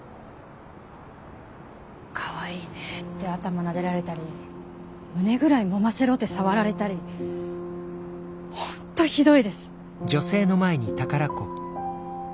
かわいいねって頭なでられたり胸ぐらいもませろって触られたりホントひどいです。